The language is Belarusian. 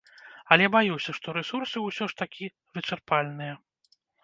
Але баюся, што рэсурсы ўсё ж такі вычарпальныя.